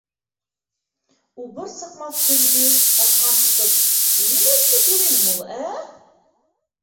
Убыр сыҡмаҫ төндө... арҡан тотоп... ул нимә эшләп йөрөйһөң ул, ә?!